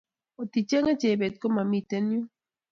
kotgichenge Chebet, komamiten yuu